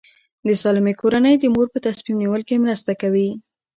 د سالمې کورنۍ د مور په تصمیم نیول کې مرسته کوي.